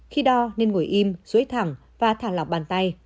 khi đo nên ngồi im dưới thẳng và thả lọc bàn tay